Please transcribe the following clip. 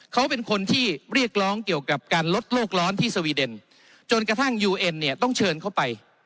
เขาเป็นคนที่เรียกร้องเกี่ยวกับการลดโลกร้อนที่สวีเดนจนกระทั่งยูเอ็นเนี่ยต้องเชิญเขาไป